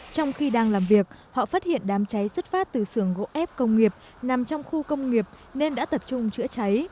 trong khi đang làm việc họ phát hiện đám cháy xuất phát từ sưởng gỗ ép công nghiệp nằm trong khu công nghiệp nên đã tập trung chữa cháy